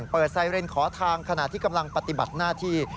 ไซเรนขอทางขณะที่กำลังปฏิบัติหน้าที่